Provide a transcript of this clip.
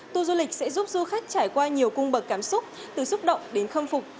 tour du lịch sẽ giúp du khách trải qua nhiều cung bậc cảm xúc từ xúc động đến khâm phục